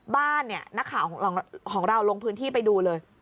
บ้านเนี่ยนักข่าวของเราลงพื้นที่ไปดูเลย